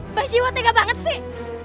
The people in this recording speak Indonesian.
mbah jiwa tega banget sih